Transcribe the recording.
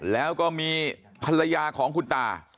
แล้วก็มีภรรยาของคุณตา